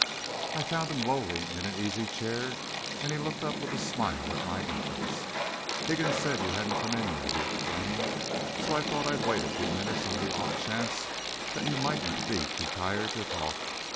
I found him lolling in an easy chair, and he looked up with a smile at my entrance. "Higgins said you hadn't come in yet," he explained, "so I thought I'd wait a few minutes on the off chance that you mightn't be too tired to talk.